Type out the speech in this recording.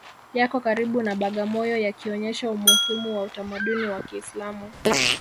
Yako karibu na Bagamoyo yakionyesha umuhimu wa utamaduni wa Kiislamu